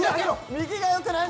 右がよくない？